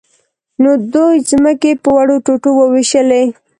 نو دوی ځمکې په وړو ټوټو وویشلې.